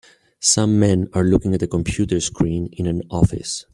Some men are looking at a computer screen in an office.